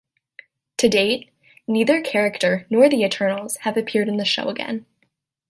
To date, neither character, nor the Eternals, have appeared in the show again.